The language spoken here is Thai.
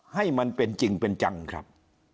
ให้มันเป็นจริงเป็นจังครับ